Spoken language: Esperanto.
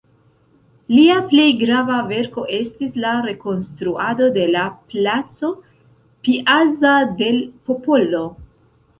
Lia plej grava verko estis la rekonstruado de la placo "Piazza del Popolo".